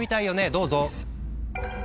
どうぞ。